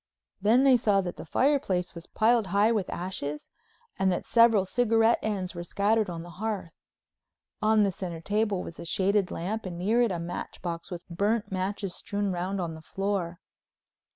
Then they saw that the fireplace was piled high with ashes and that several cigarette ends were scattered on the hearth. On the center table was a shaded lamp and near it a match box with burnt matches strewn round on the floor.